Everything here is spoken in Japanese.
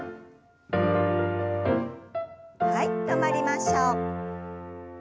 はい止まりましょう。